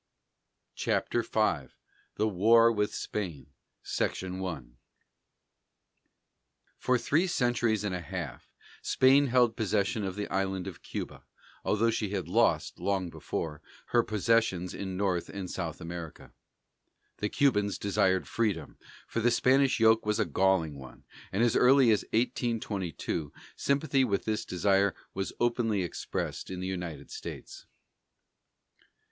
CHAPTER V THE WAR WITH SPAIN For three centuries and a half, Spain held possession of the island of Cuba, although she had lost, long before, her possessions in North and South America. The Cubans desired freedom, for the Spanish yoke was a galling one, and as early as 1822 sympathy with this desire was openly expressed in the United States.